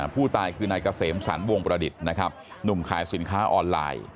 ผู้ตายคือนายเกษมสรรวงประดิษฐ์นะครับหนุ่มขายสินค้าออนไลน์